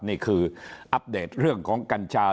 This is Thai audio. นี่คืออัปเดตเรื่องของกัญชา